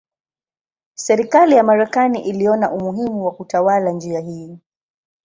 Serikali ya Marekani iliona umuhimu wa kutawala njia hii.